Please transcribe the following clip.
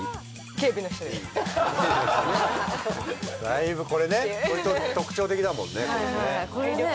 だいぶこれね特徴的だもんねこれね。